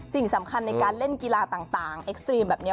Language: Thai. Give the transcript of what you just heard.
สิ่งสำคัญในการเล่นกีฬาต่างแบบนี้